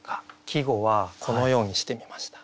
季語はこのようにしてみました。